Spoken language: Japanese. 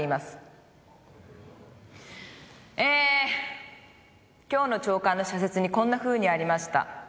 えー今日の朝刊の社説にこんなふうにありました。